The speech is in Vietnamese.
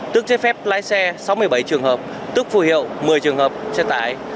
tức chế phép lái xe sáu mươi bảy trường hợp tức phù hiệu một mươi trường hợp xe tải